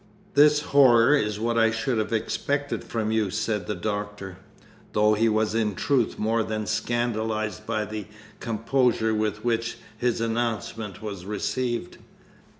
"This horror is what I should have expected from you," said the Doctor (though he was in truth more than scandalised by the composure with which his announcement was received).